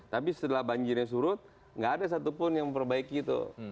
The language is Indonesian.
tapi setelah banjirnya surut nggak ada satupun yang memperbaiki itu